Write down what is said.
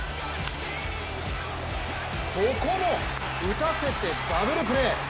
ここも打たせてダブルプレー。